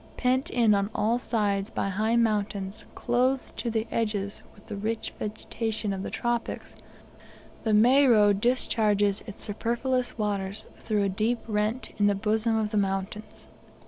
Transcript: Pent in on all sides by high mountains, clothed to the edges with the rich vegetation of the tropics, the Moero discharges its superfluous waters through a deep rent in the bosom of the mountains.